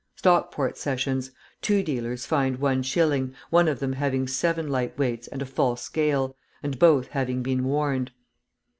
Stockport Sessions. Two dealers fined one shilling, one of them having seven light weights and a false scale, and both having been warned.